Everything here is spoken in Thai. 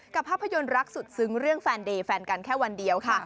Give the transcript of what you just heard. ภาพยนตร์รักสุดซึ้งเรื่องแฟนเดย์แฟนกันแค่วันเดียวค่ะ